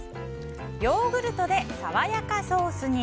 ヨーグルトでさわやかソースに！